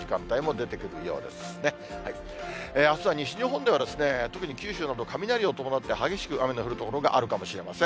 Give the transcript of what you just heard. あすは西日本では、特に九州など、雷を伴って激しく雨の降る所があるかもしれません。